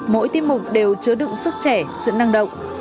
mỗi tiết mục đều chứa đựng sức trẻ sự năng động